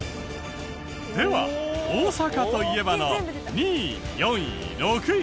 では大阪といえばの２位４位６位。